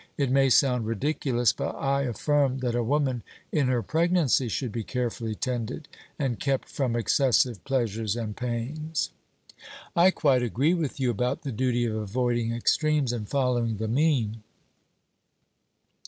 It may sound ridiculous, but I affirm that a woman in her pregnancy should be carefully tended, and kept from excessive pleasures and pains. 'I quite agree with you about the duty of avoiding extremes and following the mean.'